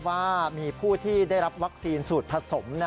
ว่ามีผู้ที่ได้รับวัคซีนสูตรผสม